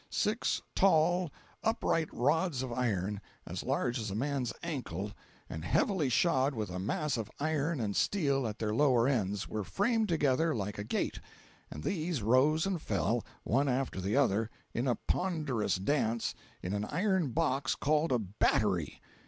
Six tall, upright rods of iron, as large as a man's ankle, and heavily shod with a mass of iron and steel at their lower ends, were framed together like a gate, and these rose and fell, one after the other, in a ponderous dance, in an iron box called a "battery."